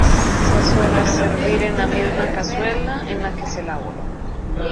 Se suele servir en la misma cazuela en la que se elaboró.